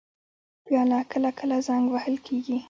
پیاله کله کله زنګ وهل کېږي.